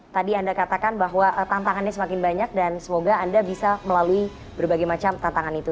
tadi anda katakan bahwa tantangannya semakin banyak dan semoga anda bisa melalui berbagai macam tantangan itu